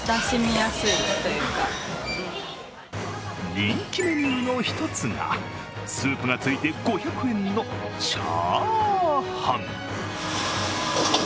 人気メニューの１つがスープがついて５００円のチャーハン。